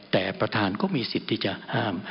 แต่ประธานก็มีสิทธิ์ที่จะห้าม